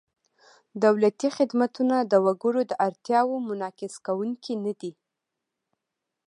دولتي خدمتونه د وګړو د اړتیاوو منعکس کوونکي نهدي.